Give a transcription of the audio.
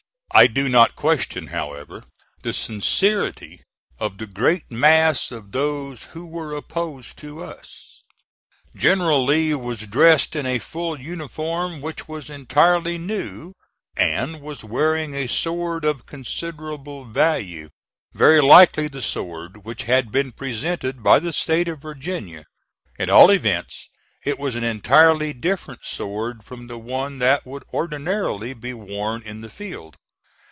I do not question, however, the sincerity of the great mass of those who were opposed to us. General Lee was dressed in a full uniform which was entirely new, and was wearing a sword of considerable value, very likely the sword which had been presented by the State of Virginia; at all events, it was an entirely different sword from the one that would ordinarily be worn in the field.